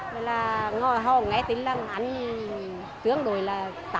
vậy là họ nghe tính là ăn tương đối là tám mươi